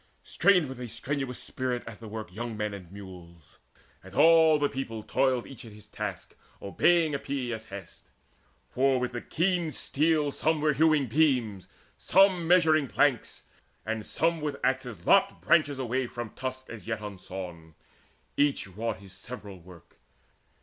Strained with a strenuous spirit at the work Young men and mules; and all the people toiled Each at his task obeying Epeius's hest. For with the keen steel some were hewing beams, Some measuring planks, and some with axes lopped Branches away from trunks as yet unsawn: Each wrought his several work.